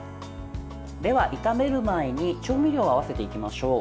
では、炒める前に調味料を合わせていきましょう。